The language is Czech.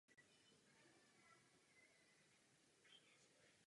Budeme to hlídat.